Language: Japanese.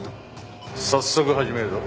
早速始めるぞ。